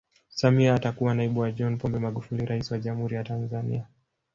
Samia atakuwa naibu wa John Pombe Magufuli rais wa Jamhuri ya Tanzania